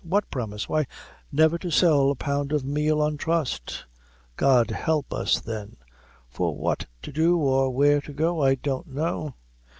"What promise?" "Why, never to sell a pound of meal on trust." "God help us, then! for what to do or where to go I don't know."